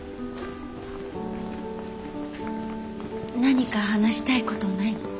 何か話したいことない？